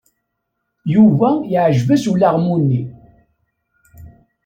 Yuba yeɛjeb-as ulaɣmu-nni.